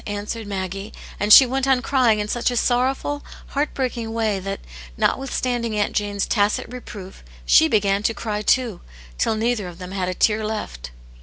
answered Maggie^ and she went on crying in such a sorrowful, heart* breaking way that, notwithstanding Aunt Jane's tacit reproof, she began to cry too, till neither of them had a tear left.